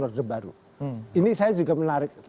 orde baru ini saya juga menarik